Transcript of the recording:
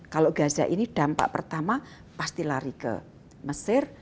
kalau gaza ini dampak pertama pasti lari ke mesir